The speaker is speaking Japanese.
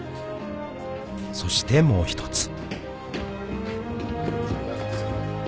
［そしてもう１つ］